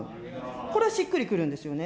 これはしっくりくるんですよね。